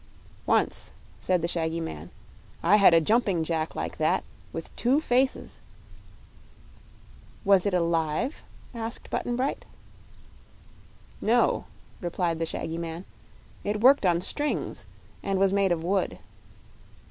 "Once," said the shaggy man, "I had a jumping jack like that, with two faces." "Was it alive?" asked Button Bright. "No," replied the shaggy man; "it worked on strings and was made of wood."